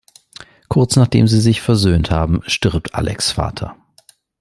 Kurz nachdem sie sich versöhnt haben, stirbt Alex’ Vater.